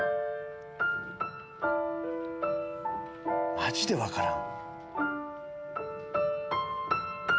マジで分からん。